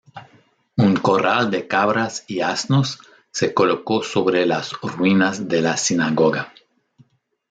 Un corral de cabras y asnos se colocó sobre las ruinas de la Sinagoga.